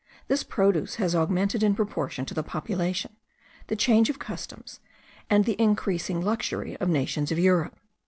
This produce has augmented in proportion to the population, the change of customs, and the increasing luxury of the nations of Europe.